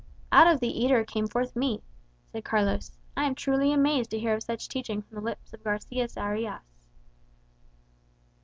"'Out of the eater came forth meat,'" said Carlos. "I am truly amazed to hear of such teaching from the lips of Garçias Ariâs."